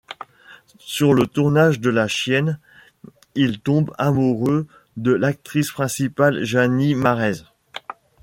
Sur le tournage de La Chienne, il tombe amoureux de l'actrice principale Janie Marèse.